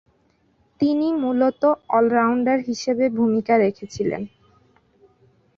তিনি মূলতঃ অল-রাউন্ডার হিসেবে ভূমিকা রেখেছিলেন।